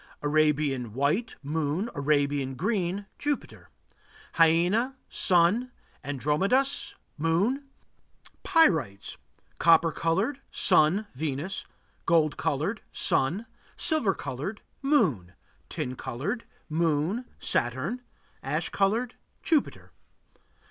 Arabian, white Moon. Arabian, green Jupiter. Hyena Sun. Androdamas Moon. Pyrites: Copper colored Sun, Venus. Gold colored Sun. Silver colored Moon. Tin colored Moon, Saturn. Ash colored Jupiter.